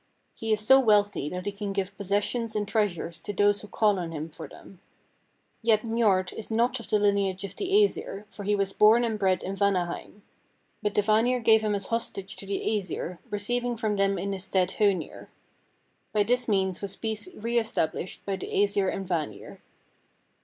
He is so wealthy that he can give possessions and treasures to those who call on him for them. Yet Njord is not of the lineage of the Æsir, for he was born and bred in Vanaheim. But the Vanir gave him as hostage to the Æsir, receiving from them in his stead Hoenir. By this means was peace re established between the Æsir and Vanir.